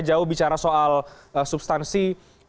jauh bicara soal substansi